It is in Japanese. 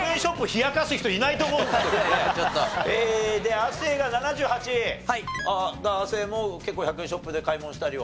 亜生も結構１００円ショップで買い物したりは？